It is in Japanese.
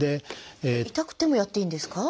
痛くてもやっていいんですか？